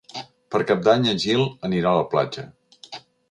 Per Cap d'Any en Gil anirà a la platja.